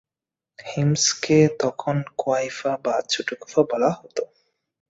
হিমসকে তখন কুয়াইফা বা ছোট কুফা বলা হত।